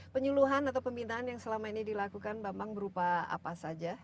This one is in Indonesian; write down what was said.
penyuluhan atau pembinaan yang selama ini dilakukan bambang berupa apa saja